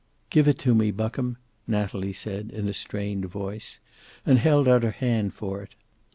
"Give it to me, Buckham," Natalie said, in a strained voice. And held out her hand for it.